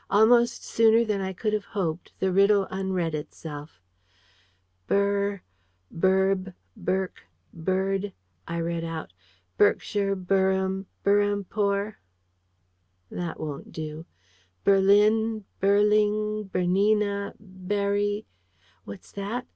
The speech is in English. Almost sooner than I could have hoped, the riddle unread itself. "Ber , Berb , Berc , Berd ," I read out: "Berkshire: Berham: Berhampore: that won't do: Berlin: Berling: Bernina: Berry what's that?